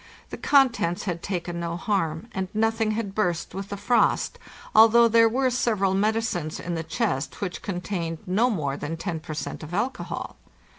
The contents had taken no harm, and nothing had burst with the frost, although there were several medicines in the chest which contained no more than 10 per cent. of alcohol.